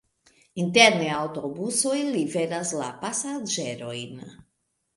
Interne aŭtobusoj liveras la pasaĝerojn.